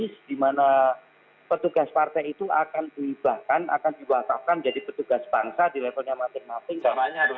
karena petugas partai itu akan diubahkan akan dibuat buatkan jadi petugas bangsa di levelnya mati mati